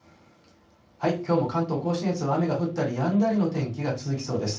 きょうも関東甲信越は雨が降ったりやんだりの天気が続きそうです。